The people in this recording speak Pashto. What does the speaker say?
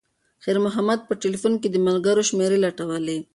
خیر محمد په تلیفون کې د ملګرو شمېرې لټولې.